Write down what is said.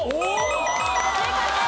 正解です。